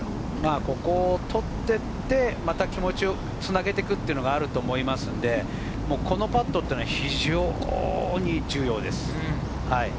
ここを取って気持ちをつなげてくというのがあると思いますので、このパットは非常に重要です。